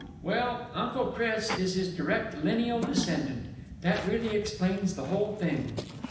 "Well, Uncle Chris is his direct lineal descendant. That really explains the whole thing."